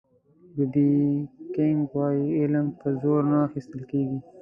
بي بي کېنګ وایي علم په زور نه اخيستل کېږي